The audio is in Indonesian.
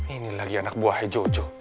ini lagi anak buahnya jojo